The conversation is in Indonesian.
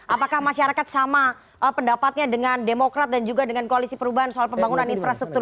apakah masyarakat sama pendapatnya dengan demokrat dan juga dengan koalisi perubahan soal pembangunan infrastruktur